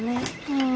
うん。